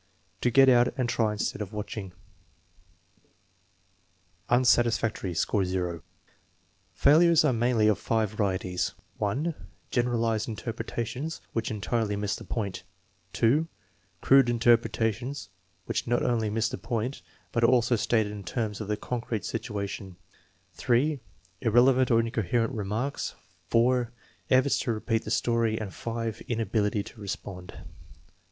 "To get out and try instead of matching.'* Unsatisfactory; score 0. Failures are mainly of five varieties: (1) generalized interpretations which entirely miss the point; (2) crude interpretations which not only miss the point, but are also stated in terms of the concrete situation; (3) irrelevant or incoherent remarks; (4) efforts to repeat the story; and (5) in ability to respond.